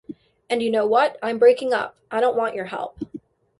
And you know what? I'm breaking up! I don't want your help!